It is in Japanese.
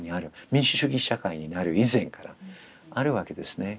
民主主義社会になる以前からあるわけですね。